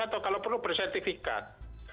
atau kalau perlu bersertifikat